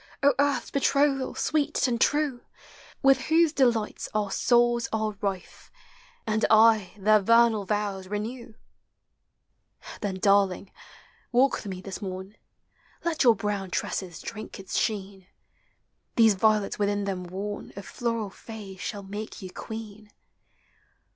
O Earth's betrothal, sweet and true, With whose delights our souls are rife. And aye their vernal vows renew ! Then, darling, walk with me this morn: Let your brown tresses drink its sheen; These violets, within them worn. Of floral fays shall make yen queen.